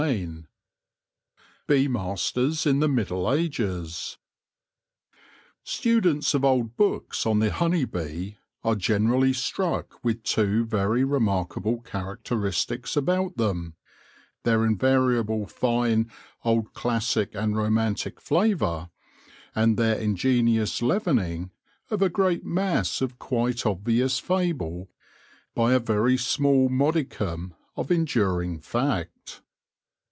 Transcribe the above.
CHAPTER III BEE MASTERS IN THE MIDDLE AGES STUDENTS of old books on the honey bee are generally struck with two very remarkable characteristics about them — their invariable fine old classic and romantic flavour, and their ingenious leavening of a great mass of quite obvious fable by a very small modicum of enduring fact.